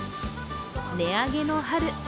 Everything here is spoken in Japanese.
値上げの春。